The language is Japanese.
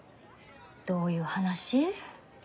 どういう話？